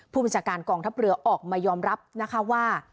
ผู้บัญชาการกองทัพเรือออกมายอมรับนะคะว่า